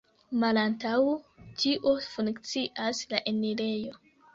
Malantaŭ tio funkcias la enirejo.